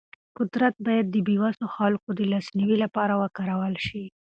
قدرت باید د بې وسو خلکو د لاسنیوي لپاره وکارول شي.